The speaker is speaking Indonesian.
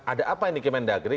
ada apa ini kemendagri